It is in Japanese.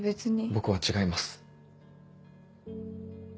僕は違います。